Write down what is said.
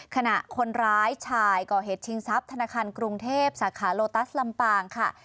ขณะคนร้ายชายก่อเหตุชิงทรัพย์ธนาคารกรุงเทพสาขาโลตัสลำปางค่ะ